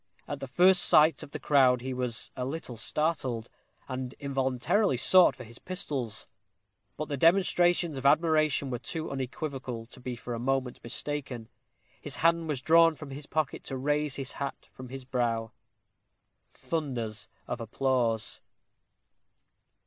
At the first sight of the crowd he was a little startled, and involuntarily sought for his pistols. But the demonstrations of admiration were too unequivocal to be for a moment mistaken; his hand was drawn from his pocket to raise his hat from his brow. Thunders of applause.